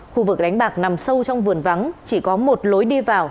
khu vực đánh bạc nằm sâu trong vườn vắng chỉ có một lối đi vào